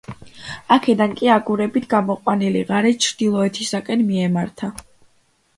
აქედან კი აგურებით გამოყვანილი ღარით ჩრდილოეთისკენ მიემართება.